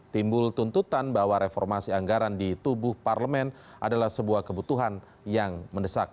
timbul tuntutan bahwa reformasi anggaran di tubuh parlemen adalah sebuah kebutuhan yang mendesak